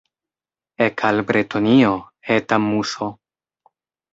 Ek al Bretonio, Eta Muso!